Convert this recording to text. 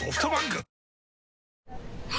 あ！